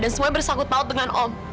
dan semua bersangkut maut dengan om